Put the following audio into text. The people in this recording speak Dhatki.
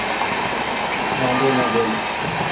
واندو نا ٻول.